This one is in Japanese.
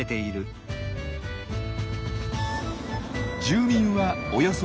住民はおよそ５０人。